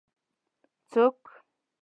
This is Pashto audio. څوک